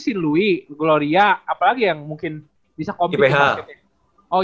si louis gloria apalagi yang mungkin bisa kompetisi basketnya